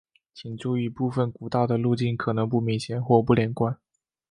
请注意部份古道的路径可能不明显或不连贯。